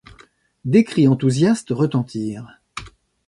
Des cris enthousiastes retentirent.